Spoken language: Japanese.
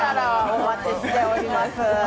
お待ちしております。